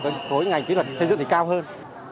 các khối ngành kỹ thuật xây dựng thì cao hơn